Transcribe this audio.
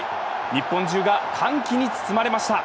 日本中が歓喜に包まれました。